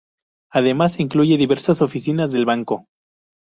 Además, incluye diversas oficinas del banco.